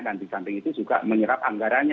dan di samping itu juga menyerap anggarannya